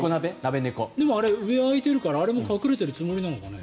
でも上が開いてるからあれも隠れてるつもりなのかな。